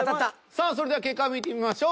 さあそれでは結果を見てみましょう。